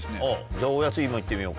じゃあおやついも行ってみよう。